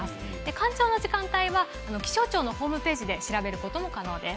干潮の時間帯は気象庁のホームページで調べることも可能です。